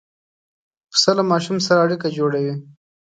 پسه له ماشوم سره اړیکه جوړوي.